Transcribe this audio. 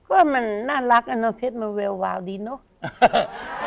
เพราะว่ามันน่ารักเพชรมันเววดีเนาะ